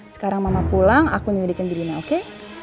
sekarang mama pulang aku yang ledekin bik lina oke